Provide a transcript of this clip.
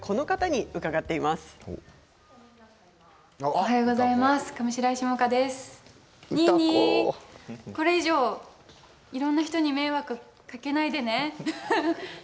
ニーニー、これ以上いろんな人に迷惑かけないでね。